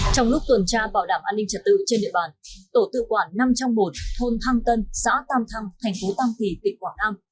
trong lúc tuần tra bảo đảm an ninh trật tự trên địa bàn tổ tự quản năm trong một thôn thăng tân xã tam thăng thành phố tam kỳ tỉnh quảng nam